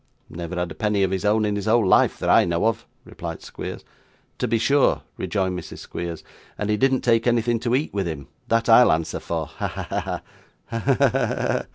'Never had a penny of his own in his whole life, that I know of,' replied Squeers. 'To be sure,' rejoined Mrs. Squeers, 'and he didn't take anything to eat with him; that I'll answer for. Ha! ha! ha!' 'Ha! ha! ha!